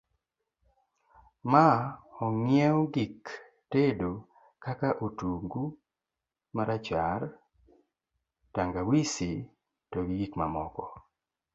ma onyiew gik tedo kaka otungu marachar, tangawizi to gi gik mamoko